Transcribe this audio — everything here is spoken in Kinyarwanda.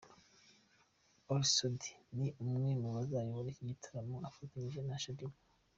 Ally Soudy ni umwe mu bazayobora iki gitaramo afatanyije na ShaddyBoo.